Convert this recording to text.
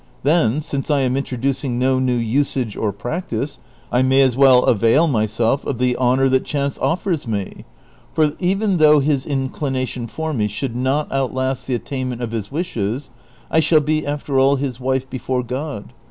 Then, since I am introducing no new usage or practice, I may as well avail myself of the honor that chance ofters me, for even though his inclination for me should not outlast the attainment of his wishes, I shall be, after all, his wife before God.